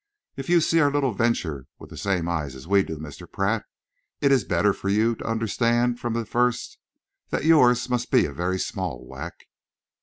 If you see our little venture with the same eyes as we do, Mr. Pratt, it is better for you to understand from the first that yours must be a very small whack."